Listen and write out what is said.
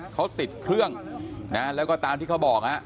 เขาติดเครื่องนะแล้วก็ตามที่เขาบอก